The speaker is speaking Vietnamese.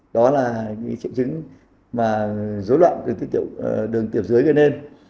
đó là những triệu chứng mà rối loạn đường tiểu dưới gây nên